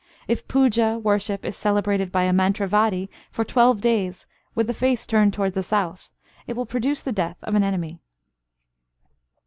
If puja (worship) is celebrated by a mantravadi for twelve days with the face turned towards the south, it will produce the death of an enemy.